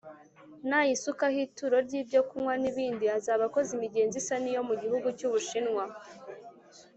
nayisukaho ituro ry ibyokunywa nibindi azaba akoze imigenzo isa niyo mu gihugu cy’ ubushinwa.